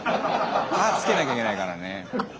歯つけなきゃいけないからね。